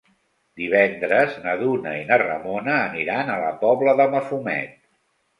Divendres na Duna i na Ramona aniran a la Pobla de Mafumet.